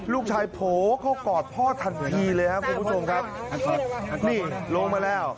ลูกชายโผล่เขากอดพ่อทันทีเลยฮะคุณผู้ชมครับนี่ลงมาแล้ว